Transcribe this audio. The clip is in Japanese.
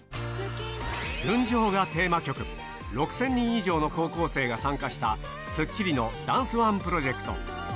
『群青』がテーマ曲、６０００人以上の高校生が参加した『スッキリ』のダンスＯＮＥプロジェクト。